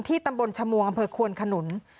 ที่ตำบลชมอำเภอควนขนุน